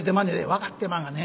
「分かってまんがな。